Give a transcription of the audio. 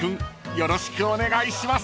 よろしくお願いします］